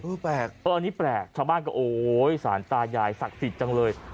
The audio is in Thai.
แปลกเอออันนี้แปลกชาวบ้านก็โอ๊ยสารตายายศักดิ์สิทธิ์จังเลย